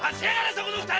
そこの二人！